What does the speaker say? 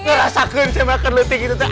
ngerasa keren saya makan luti gitu tuh